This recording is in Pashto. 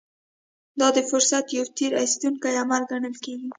دا د فرصت يو تېر ايستونکی عمل ګڼل کېږي.